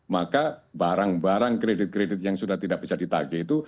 maka barang barang kredit kredit yang sudah tidak bisa ditagih itu